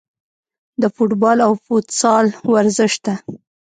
د فوټبال او فوتسال ورزش ته